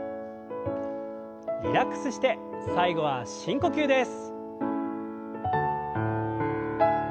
リラックスして最後は深呼吸です。